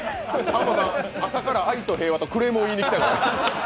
サンボさん、朝から愛と平和とクレームを言いに来た。